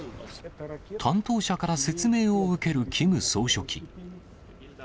担当者から説明を受けるキム総書記。